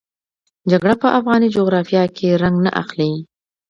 جګړه په افغاني جغرافیه کې رنګ نه اخلي.